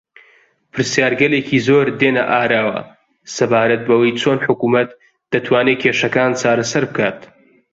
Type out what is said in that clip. پرسیارگەلێکی زۆر دێنە ئاراوە سەبارەت بەوەی چۆن حکوومەت دەتوانێت کێشەکان چارەسەر بکات